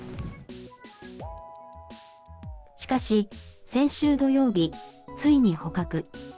しかし、先週土曜日、ついに捕獲。